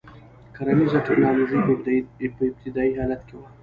کرنیزه ټکنالوژي په ابتدايي حالت کې وه.